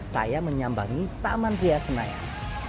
saya menyambangi taman ria senayan